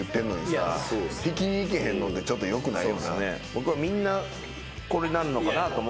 僕はみんなこれになるのかなと思ったんです。